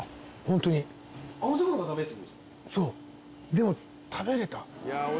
でも食べれた。